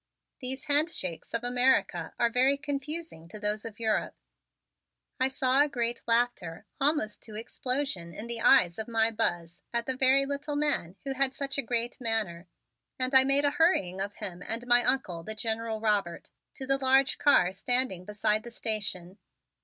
These handshakes of America are very confusing to those of Europe. I saw a great laughter almost to explosion in the eyes of my Buzz at the very little man who had such a great manner, and I made a hurrying of him and my Uncle, the General Robert, to the large car standing beside the station.